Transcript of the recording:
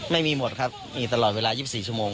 ไม่มีหมดครับมีตลอดเวลา๒๔ชั่วโมง